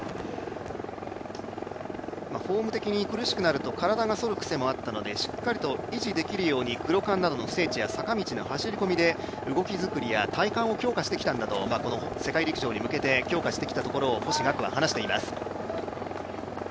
フォーム的に苦しくなると体が反る癖があったのでしっかりと維持できるように走り込みで動き作りや体幹を強化してきたんだとこの世界陸上に向けて強化してきたところと星岳は話しています。